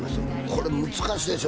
これ難しいでしょ？